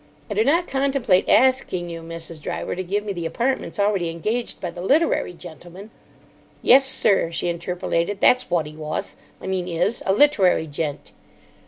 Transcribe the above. "I do not contemplate asking you, Mrs. Driver, to give me the apartments already engaged by the literary gentleman——" "Yes, sir," she interpolated, "that's wot 'e wos, I mean is. A literary gent."